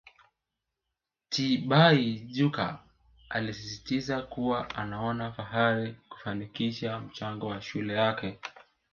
Tibaijuka alisisitiza kuwa anaona fahari kufanikisha mchango wa shule yake